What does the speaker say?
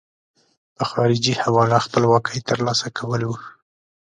په خارجي حواله خپلواکۍ ترلاسه کول وو.